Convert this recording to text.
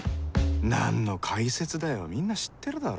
何の解説だよみんな知ってるだろ